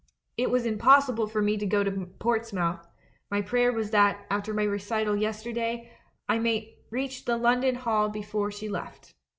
It was impossible for me to go to Portsmouth ; my prayer was that, after my recital yesterday, I might reach the London hall before she left.